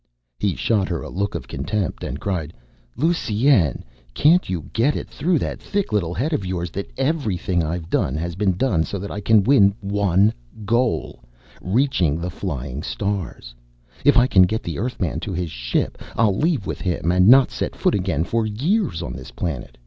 He shot her a look of contempt and cried, "Lusine, can't you get it through that thick little head of yours that everything I've done has been done so that I can win one goal: reach the Flying Stars? If I can get the Earthman to his ship I'll leave with him and not set foot again for years on this planet.